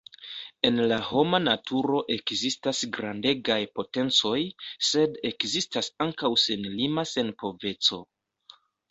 En la homa naturo ekzistas grandegaj potencoj, sed ekzistas ankaŭ senlima senpoveco.